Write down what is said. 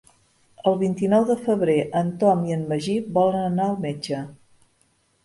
El vint-i-nou de febrer en Tom i en Magí volen anar al metge.